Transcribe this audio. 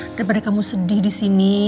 daripada kamu sedih disini